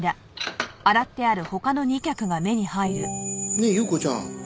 ねえ祐子ちゃん。